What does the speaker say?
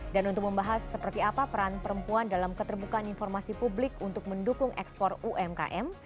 dan untuk membahas seperti apa peran perempuan dalam keterbukaan informasi publik untuk mendukung ekspor umkm